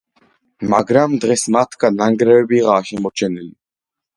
მაგრამ დღეს მათგან ნანგრევებიღაა შემორჩენილი.